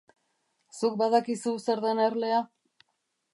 Zuk badakizu zer den erlea?